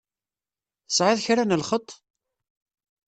Tesεiḍ kra n lxeṭṭ?